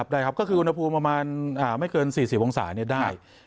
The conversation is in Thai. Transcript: ได้ครับก็คืออุณหภูมิประมาณไม่เกิน๔๐องศาได้